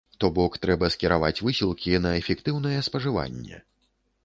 То бок трэба скіраваць высілкі на эфектыўнае спажыванне.